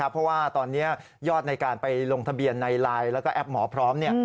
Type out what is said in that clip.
เพราะว่าตอนนี้ยอดในการไปลงทะเบียนในไลน์แล้วก็แอปหมอพร้อม